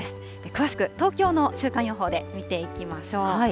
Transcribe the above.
詳しく東京の週間予報で見ていきましょう。